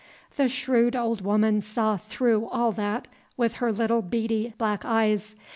The shrewd old woman saw through all that with her little beady black eyes.